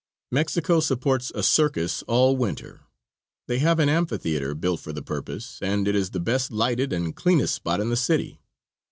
Mexico supports a circus all winter. They have an amphitheater built for the purpose, and it is the best lighted and cleanest spot in the city.